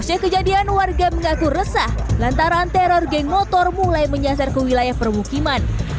usai kejadian warga mengaku resah lantaran teror geng motor mulai menyasar ke wilayah permukiman